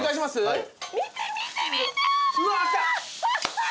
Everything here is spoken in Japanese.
はい。